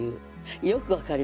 よく分かりますね